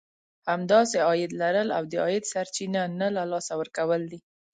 همداسې عايد لرل او د عايد سرچينه نه له لاسه ورکول دي.